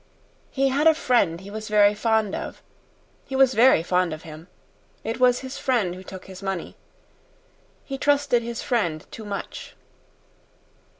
"He had a friend he was very fond of he was very fond of him. It was his friend who took his money. He trusted his friend too much."